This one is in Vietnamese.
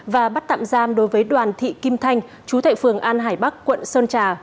và bắt tạm giam đối với đoàn thị kim thanh chú thệ phường an hải bắc quận sơn trà